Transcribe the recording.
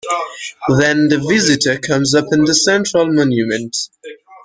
Then the visitor comes upon the central monument.